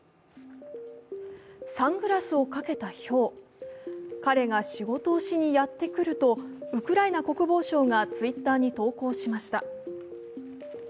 サングラスをかけたひょう、彼が仕事をしにやってくるとウクライナ国防相がＴｗｉｔｔｅｒに投稿しました。